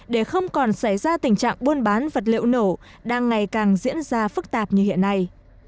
để không còn xảy ra tình trạng buôn bán vật liệu nổ đang ngày càng diễn ra phức tạp như hiện nay